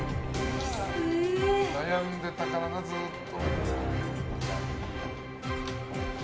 悩んでたからな、ずっと。